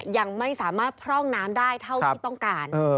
ยังไม่สามารถพร่องน้ำได้เท่าที่ต้องการ